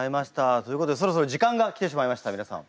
ということでそろそろ時間が来てしまいました皆さん。